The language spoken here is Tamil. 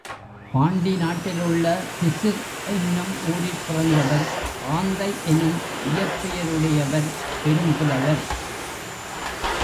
பாண்டி நாட்டில் உள்ள பிசிர் என்னும் ஊரிற் பிறந்தவர் ஆந்தை எனும் இயற்பெயருடையவர் பெரும் புலவர்.